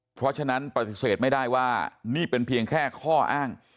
เพราะฉะนั้นปฏิเสธไม่ได้ว่านี่เป็นเพียงแค่ข้ออ้าง